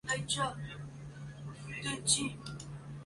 他被认为是社会自由主义最早的支持者与领军人物。